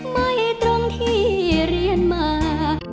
ไม่ตรงที่เรียนมา